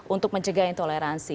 untuk mencegah intoleransi